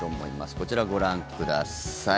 こちら、ご覧ください。